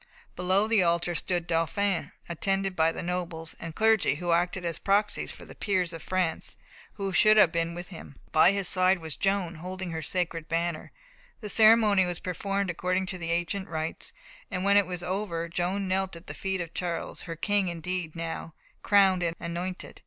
Below the altar stood the Dauphin, attended by the nobles and clergy who acted as proxies for the peers of France who should have been with him. By his side was Joan, holding her sacred banner. The ceremony was performed according to the ancient rites, and when it was over, Joan knelt at the feet of Charles, her King indeed now, crowned and anointed.